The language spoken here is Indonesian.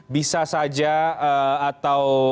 bisa saja atau